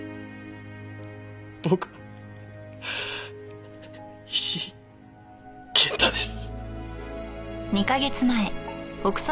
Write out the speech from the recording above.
僕は石井健太です。